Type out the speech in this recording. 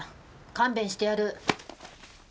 勘弁してやる。